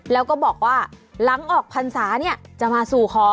แล้วก็บอกว่าหลังออกพรรษาเนี่ยจะมาสู่ขอ